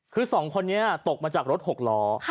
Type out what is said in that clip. คือ๒คนนี้ตกมาจากรถ๖ล้อ